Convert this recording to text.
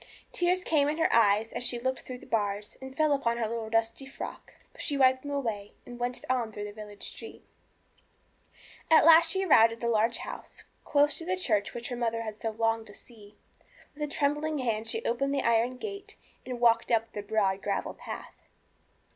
Tears came in her eyes as she looked through the bars, and fell upon her little dusty frock. But she wiped them away, and went on through the village street. At last she arrived at the large house close to the church which her mother had longed so much to see. With a trembling hand she opened the iron gate and walked up the broad gravel path.